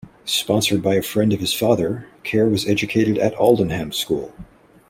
Sponsored by a friend of his father, Kerr was educated at Aldenham School.